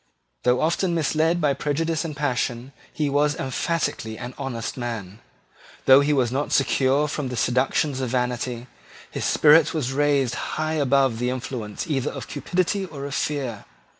Though often misled by prejudice and passion, he was emphatically an honest man. Though he was not secure from the seductions of vanity, his spirit was raised high above the influence either of cupidity or of fear.